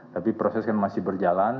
tapi proses kan masih berjalan